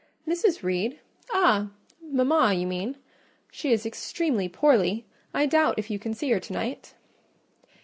"Mrs. Reed? Ah! mama, you mean; she is extremely poorly: I doubt if you can see her to night."